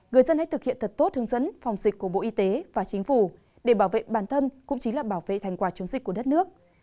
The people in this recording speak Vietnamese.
người dân hãy thực hiện thật tốt hướng dẫn phòng dịch của bộ y tế và chính phủ để bảo vệ bản thân cũng chính là bảo vệ thành quả chống dịch của đất nước